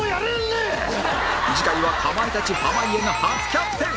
次回はかまいたち濱家が初キャプテン